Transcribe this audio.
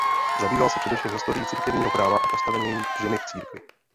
Zabýval se především historií církevního práva a postavením ženy v církvi.